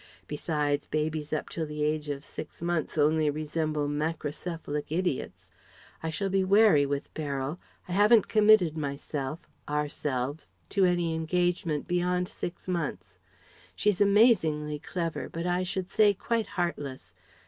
Besides babies up till the age of six months only resemble macrocephalic idiots.... I shall be wary with Beryl haven't committed myself ourselves to any engagement beyond six months. She's amazingly clever, but I should say quite heartless.